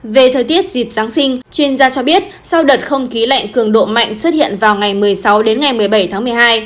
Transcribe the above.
về thời tiết dịp giáng sinh chuyên gia cho biết sau đợt không khí lạnh cường độ mạnh xuất hiện vào ngày một mươi sáu đến ngày một mươi bảy tháng một mươi hai